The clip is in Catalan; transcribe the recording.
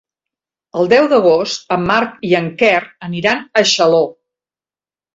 El deu d'agost en Marc i en Quer aniran a Xaló.